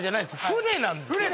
船なんですよ